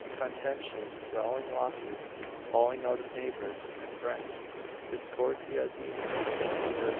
Contention, brawling, lawsuits, falling out of neighbours and friends.—discordia demens (Virg.